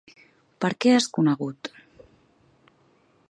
Per què és conegut?